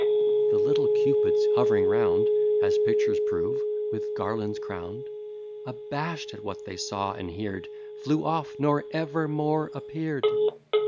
The little Cupids hov'ring round, (As pictures prove) with garlands crown'd, Abash'd at what they saw and heard, Flew off, nor ever more appear'd.